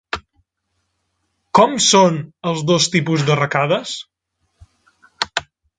Com són els dos tipus d'arracades?